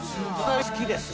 好きです？